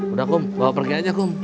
udah kump bawa pergi aja kump